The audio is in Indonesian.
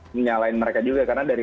menyalahin mereka juga karena dari